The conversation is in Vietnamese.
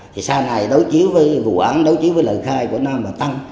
thì sau này đấu trí với vụ án đấu trí với lời khai của nam và tâm